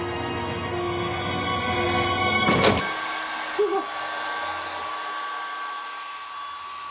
うわっ！